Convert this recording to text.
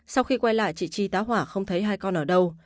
sau khi quay lại chị chi tá hỏa không thấy hai con ở đâu